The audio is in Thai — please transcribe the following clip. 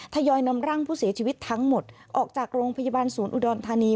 ทยอยนำร่างผู้เสียชีวิตทั้งหมดออกจากโรงพยาบาลศูนย์อุดรธานี